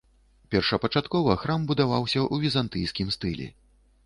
Першапачаткова храм будаваўся ў візантыйскім стылі.